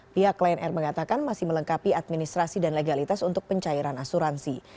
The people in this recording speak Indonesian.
pihak lion air mengatakan masih melengkapi administrasi dan legalitas untuk pencairan asuransi